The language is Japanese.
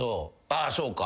ああそうか。